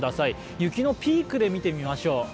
雪のピークで見てみましょう。